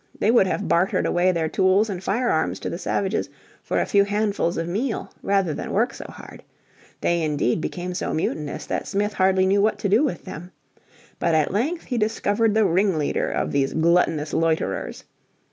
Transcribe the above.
They would have bartered away their tools and firearms to the savages for a few handfuls of meal rather than work so hard. They indeed became so mutinous that Smith hardly knew what to do with them. But at length he discovered the ringleader of these "gluttonous loiterers."